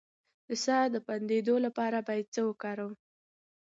د ساه د بندیدو لپاره باید څه وکړم؟